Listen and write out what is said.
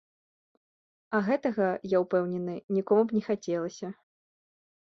А гэтага, я ўпэўнены, нікому б не хацелася.